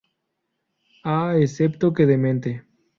A, excepto que demente".